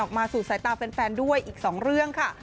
มาสู่สายตาแฟนด้วยอีก๒เรื่องค่ะ